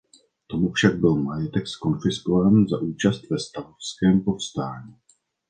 Tomu však byl majetek zkonfiskován za účast ve stavovském povstání.